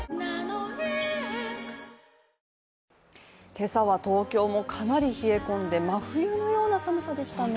今朝は東京もかなり冷え込んで真冬のような寒さでしたね。